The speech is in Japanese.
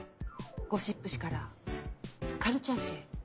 ゴシップ誌からカルチャー誌へ。